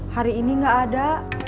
hari ini gak ada